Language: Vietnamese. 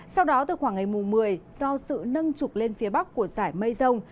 sau đó từ khoảng ngày mùa một mươi do sự nâng trục lên phía bắc của rải mây rồng